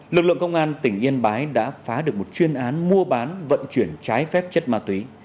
lực lượng công an tỉnh yên bái đã phá được một chuyên án mua bán vận chuyển trái phép chất ma túy